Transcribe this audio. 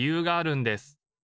ん？